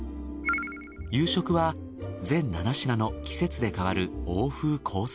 夕食は全７品の季節で変わる欧風コース